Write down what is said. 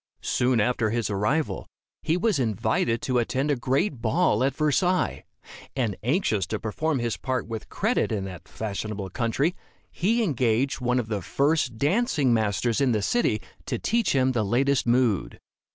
Soon after his arrival, he was invited to attend a great ball at Versailles; and anxious to perform his part with credit in that fashionable country, he engaged one of the first dancing masters in the city to teach him the latest mode.